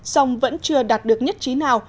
xong vẫn chưa đạt được nhất trí nào